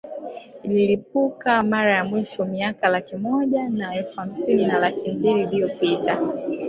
Ililipuka mara ya mwisho miaka laki moja na elfu hamsini na laki mbili iliyopita